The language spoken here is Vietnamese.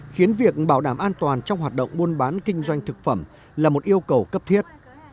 khiến việc bảo đảm an toàn trong hoạt động buôn bán kinh doanh thực phẩm là một yêu cầu cấp thiết